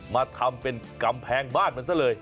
มาทำเป็นกำแพงบ้านมันซะเลย